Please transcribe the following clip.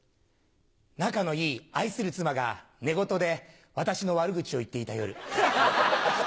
仲のいい愛する妻が寝言で私の悪口を言っていた夜。